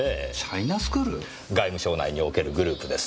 外務省内におけるグループです。